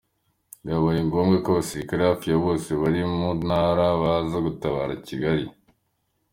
Byabaye ngombwa ko Abasirikare hafi ya bose bari mu Mutara baza gutabara Kigali.